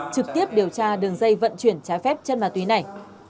trực tiếp điều tra đường dây vận chuyển trái phép chân ma túy này